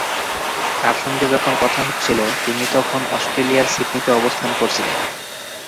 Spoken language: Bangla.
তাঁর সঙ্গে যখন কথা হচ্ছিল তিনি তখন অস্ট্রেলিয়ার সিডনিতে অবস্থান করছিলেন।